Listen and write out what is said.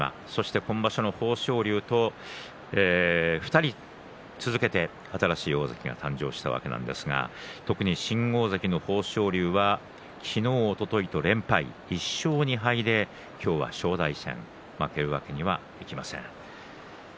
今場所の豊昇龍と２人続けて新しい大関が誕生したわけなんですが新大関の豊昇龍は昨日、おとといと連敗１勝２敗で今日は正代戦負けるわけにはいきません。